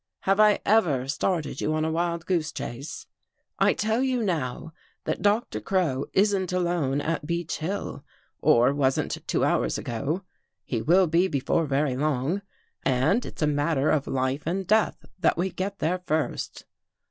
Have I ever started you on a wild goose chase? I tell you now that Doctor Crow isn't alone at Beech Hill, or wasn't two hours ago. He will be before very long. And it's a matter of life and death that we get there first."